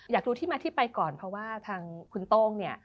อยากดูที่มาที่ไปก่อนเพราะว่าทางคุณโต้งเนี่ย